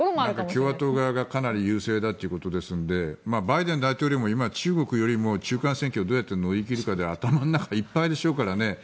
共和党側がかなり優勢だということなのでバイデン大統領も今中国よりも中間選挙をどう乗り切るかで頭の中いっぱいでしょうからね。